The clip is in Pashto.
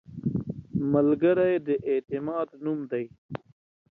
ملګری د اعتماد نوم دی